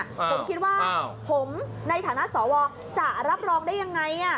ผมคิดว่าผมในฐานะสวจะรับรองได้ยังไง